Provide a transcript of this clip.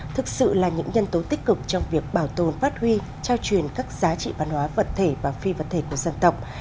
thực sự là những nhân tố tích cực trong việc bảo tồn phát huy trao truyền các giá trị văn hóa vật thể và phi vật thể của dân tộc